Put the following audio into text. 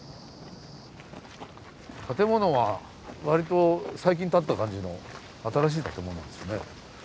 建物はわりと最近建てた感じの新しい建物ですね。